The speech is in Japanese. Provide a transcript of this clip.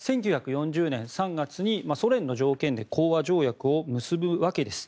１９４０年３月に、ソ連の条件で講和条約を結ぶわけです。